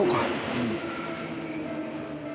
うん。